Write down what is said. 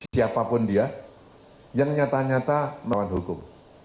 siapapun dia yang nyata nyata melawan hukum